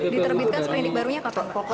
diterbitkan sering ini barunya pak pak